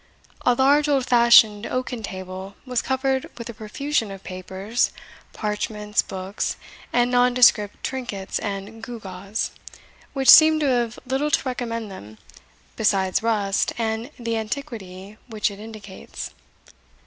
A large old fashioned oaken table was covered with a profusion of papers, parchments, books, and nondescript trinkets and gewgaws, which seemed to have little to recommend them, besides rust and the antiquity which it indicates.